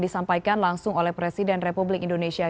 disampaikan langsung oleh presiden republik indonesia